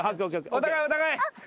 お互いお互い。